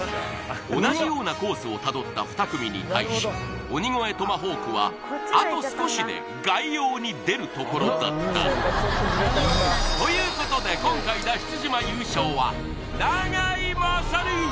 同じようなコースをたどった２組に対し鬼越トマホークはあと少しで外洋に出るところだったということで今回よし！